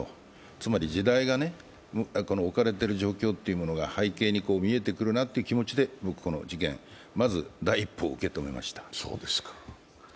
つまり時代が置かれてる状況が背景に見えてくるなということで僕、この事件、まず第一報を受け止めました。